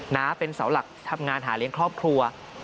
เป็นเสาหลักทำงานหาเลี้ยงครอบครัว